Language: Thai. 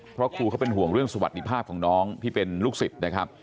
เพราะครูเขาเป็นห่วงเรื่องสวัสดิภาพของน้องที่เป็นลูกศิษย์นะครับ